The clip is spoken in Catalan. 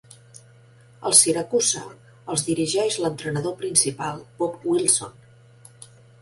Els Syracuse els dirigeix l'entrenador principal Bob Wilson.